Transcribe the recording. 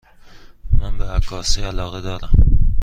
من به عکاسی علاقه دارم.